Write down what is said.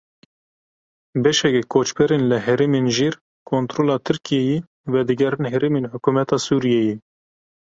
Beşeke koçberên li herêmên jêr kontrola Tirkiyeyê vedigerên herêmên hikûmeta Sûriyeyê.